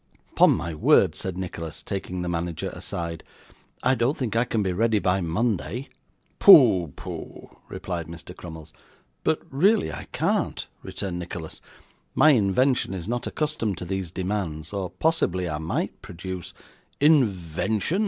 'Upon my word,' said Nicholas, taking the manager aside, 'I don't think I can be ready by Monday.' 'Pooh, pooh,' replied Mr. Crummles. 'But really I can't,' returned Nicholas; 'my invention is not accustomed to these demands, or possibly I might produce ' 'Invention!